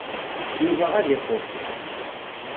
Yuba ad ixuṣ.